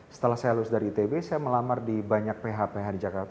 setelah saya lulus dari itb saya melamar di banyak ph ph di jakarta